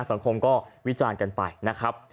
สังคมก็วิจารณ์กันไปนะครับ